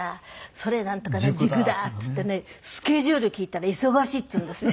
それなんとかの塾だっていってねスケジュール聞いたら忙しいって言うんですよ。